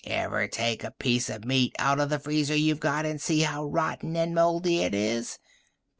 Ever take a piece of meat out of the freezer you've got and see how rotten and moldy it is?